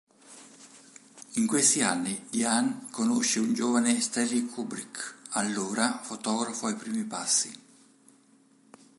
In questi anni Diane conosce un giovane Stanley Kubrick, allora fotografo ai primi passi.